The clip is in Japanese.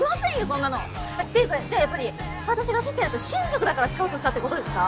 そんなの。っていうかじゃあやっぱり私がシセルと親族だからスカウトしたって事ですか？